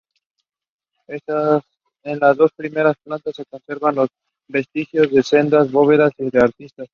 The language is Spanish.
En las dos primeras plantas se conservan los vestigios de sendas bóvedas de arista.